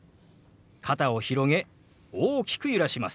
肩を広げ大きく揺らします。